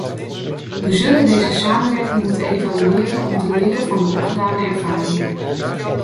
We zullen deze samenwerking moeten evalueren, om te leren van de opgedane ervaringen.